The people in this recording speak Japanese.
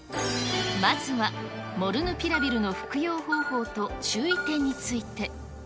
まずは、モルヌピラビルの服用方法と注意点について。